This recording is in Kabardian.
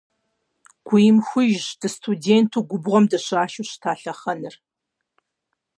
Гуимыхужщ дыстуденту губгуъэм дыщашэу щыта лъэхъэнэр.